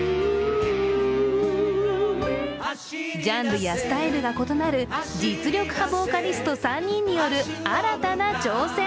ジャンルやスタイルが異なる実力派ボーカリスト３人による新たな挑戦。